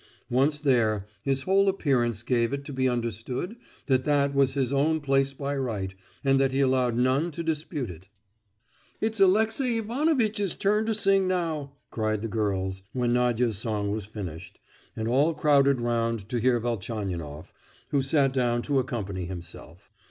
Once there, his whole appearance gave it to be understood that that was his own place by right, and that he allowed none to dispute it. "It's Alexey Ivanovitch's turn to sing now!" cried the girls, when Nadia's song was finished, and all crowded round to hear Velchaninoff, who sat down to accompany himself.